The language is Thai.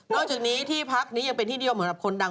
นอกจากนี้ที่พักนี้ยังเป็นที่นิยมเหมือนกับคนดัง